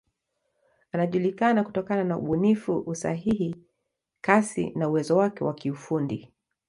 Anajulikana kutokana na ubunifu, usahihi, kasi na uwezo wake wa kiufundi.